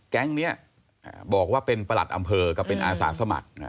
แก๊งนี้บอกว่าเป็นประหลัดอำเภอกับเป็นอาสาสมัคร